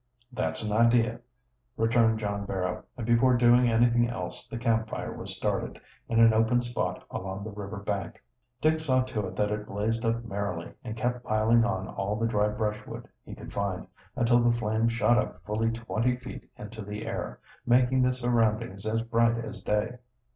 "That's an idee," returned John Barrow, and before doing anything else the camp fire was started, in an open spot along the river bank. Dick saw to it that it blazed up merrily, and kept piling on all the dry brushwood he could find, until the flames shot up fully twenty feet into the air, making the surroundings as bright as day.